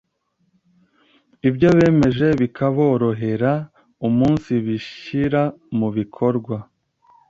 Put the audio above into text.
ibyo bemeje bikaborohera umunsibishyira mu bikorwa.